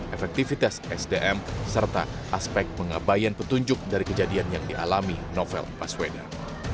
efektivitas sdm serta aspek pengabayan petunjuk dari kejadian yang dialami novel baswedan